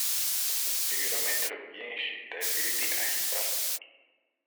ibirometero byinshi david ahita